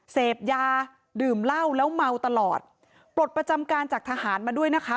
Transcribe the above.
เสพยาดื่มเหล้าแล้วเมาตลอดปลดประจำการจากทหารมาด้วยนะคะ